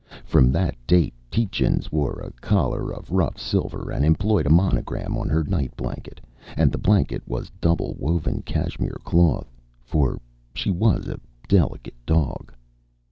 From that date Tietjens wore a collar of rough silver and employed a monogram on her night blanket, and the blanket was double woven Kashmir cloth, for she was a delicate dog.